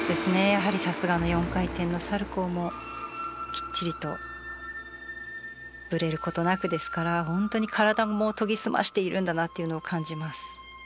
やはりさすがの４回転のサルコウもきっちりとブレる事なくですから本当に体も研ぎ澄ましているんだなっていうのを感じます。